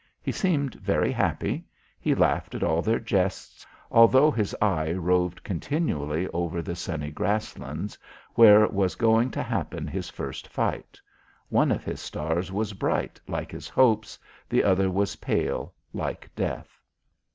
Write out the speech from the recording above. He seemed very happy; he laughed at all their jests, although his eye roved continually over the sunny grass lands, where was going to happen his first fight. One of his stars was bright, like his hopes, the other was pale, like death.